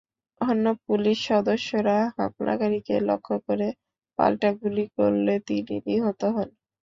অন্য পুলিশ সদস্যরা হামলাকারীকে লক্ষ্য করে পাল্টা গুলি করলে তিনিও নিহত হন।